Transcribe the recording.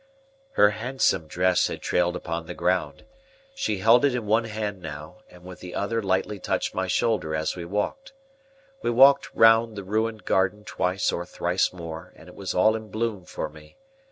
Her handsome dress had trailed upon the ground. She held it in one hand now, and with the other lightly touched my shoulder as we walked. We walked round the ruined garden twice or thrice more, and it was all in bloom for me.